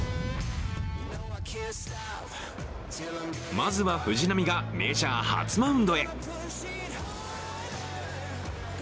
まずは藤浪がメジャー初マウンドへ。